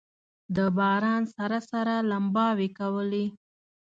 د باران سره سره لمباوې کولې.